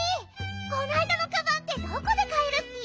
こないだのカバンってどこでかえるッピ？